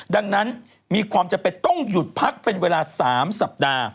ดังนั้นมีความจำเป็นต้องหยุดพักเป็นเวลา๓สัปดาห์